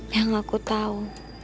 yang aku tau